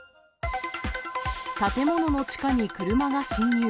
建物の地下に車が侵入。